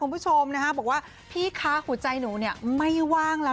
บอกว่าพี่ค้าหัวใจหนูไม่ว่างแล้ว